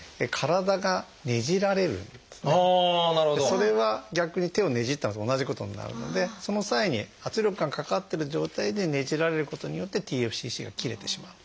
それは逆に手をねじったのと同じことになるのでその際に圧力がかかってる状態でねじられることによってＴＦＣＣが切れてしまう。